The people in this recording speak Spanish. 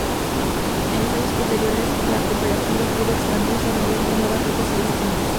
En los años posteriores, la cooperativa pudo expandirse, añadiendo nuevas rutas y destinos.